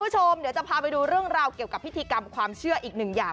คุณผู้ชมเดี๋ยวจะพาไปดูเรื่องราวเกี่ยวกับพิธีกรรมความเชื่ออีกหนึ่งอย่าง